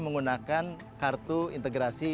menggunakan kartu integrasi